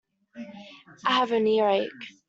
I have an earache